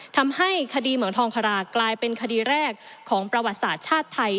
ทำให้คดีเหมืองทองคารากลายเป็นคดีแรกของประวัติศาสตร์ชาติไทย